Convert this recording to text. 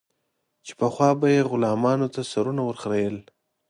چې پخوا به یې غلامانو ته سرونه ور خرئېل.